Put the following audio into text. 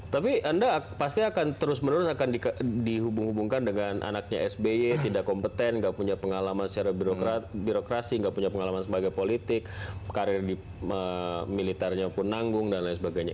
tapi anda pasti akan terus menerus akan dihubung hubungkan dengan anaknya sby tidak kompeten nggak punya pengalaman secara birokrasi nggak punya pengalaman sebagai politik karir di militernya pun nanggung dan lain sebagainya